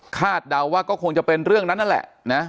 เดาว่าก็คงจะเป็นเรื่องนั้นนั่นแหละนะ